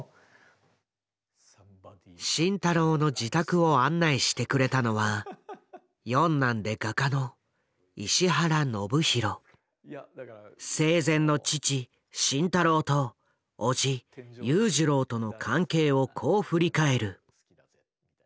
慎太郎の自宅を案内してくれたのは四男で画家の生前の父慎太郎と叔父裕次郎との関係をこう振り返る。